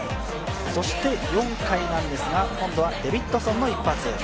４回なんですが、今度はデビッドソンの一発。